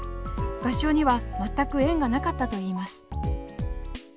合唱には全く縁がなかったといいます。